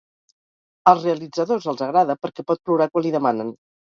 Als realitzadors els agrada perquè pot plorar quan li demanen.